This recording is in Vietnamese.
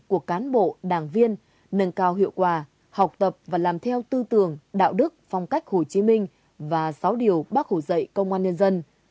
các trường hợp đảng viên nâng cao hiệu quả học tập và làm theo tư tưởng đạo đức phong cách hồ chí minh và sáu điều bác hủ dạy công an nhân dân